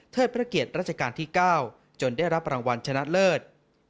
เทิดพระเกียจราชการที่๙จนได้รับรางวัลชนะเลิศ